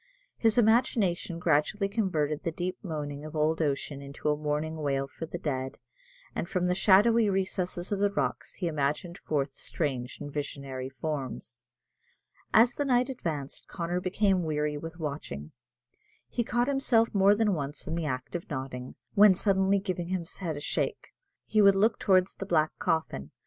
His imagination gradually converted the deep moaning of old ocean into a mournful wail for the dead, and from the shadowy recesses of the rocks he imaged forth strange and visionary forms. As the night advanced, Connor became weary with watching. He caught himself more than once in the act of nodding, when suddenly giving his head a shake, he would look towards the black coffin.